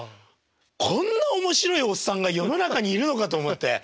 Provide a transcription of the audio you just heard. こんな面白いおっさんが世の中にいるのかと思って。